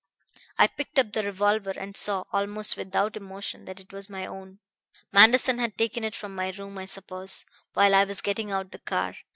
"I picked up the revolver and saw, almost without emotion, that it was my own Manderson had taken it from my room, I suppose, while I was getting out the car.